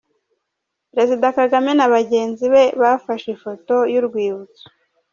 Perezida Kagame na bagenzi be bafashe ifoto y'urwibutso.